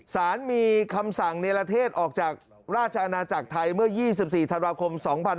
สารมีคำสั่งเนรเทศออกจากราชอาณาจักรไทยเมื่อ๒๔ธันวาคม๒๕๖๒